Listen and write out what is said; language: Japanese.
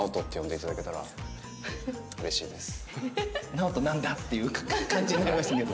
ナオトなんだっていう感じになりましたけど。